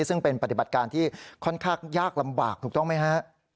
ซึ่งเป็นปฏิบัติการที่ค่อนข้างยากลำบากถูกต้องไหมฮะ